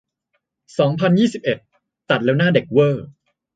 สองพันยี่สิบเอ็ด ตัดแล้วหน้าเด็กเว่อร์